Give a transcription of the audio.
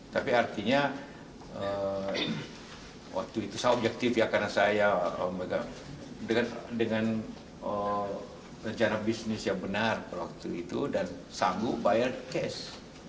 tapi artinya waktu itu saya objektif ya karena saya dengan rencana bisnis yang benar pada waktu itu dan sanggup bayar cash